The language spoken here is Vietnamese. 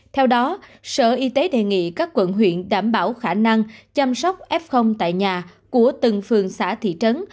theo đó sở y tế đề nghị các quận huyện đảm bảo khả năng chăm sóc f tại nhà của từng phường xã thị trấn